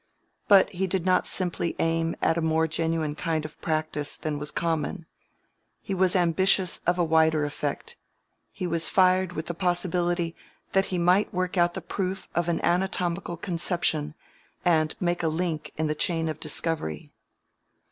But he did not simply aim at a more genuine kind of practice than was common. He was ambitious of a wider effect: he was fired with the possibility that he might work out the proof of an anatomical conception and make a link in the chain of discovery.